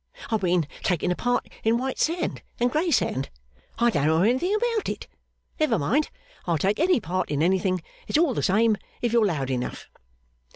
I've been taking a part in White sand and grey sand. I don't know anything about it. Never mind. I'll take any part in anything. It's all the same, if you're loud enough.